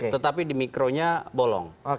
tetapi di mikronya bolong